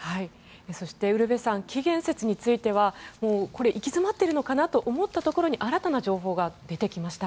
そして、ウルヴェさん起源説については行き詰まっているかと思ったところに新たな情報が出てきました。